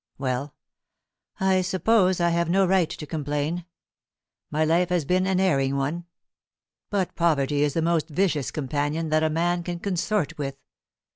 Well, I suppose I have no right to complain. My life has been an erring one; but poverty is the most vicious companion that a man can consort with.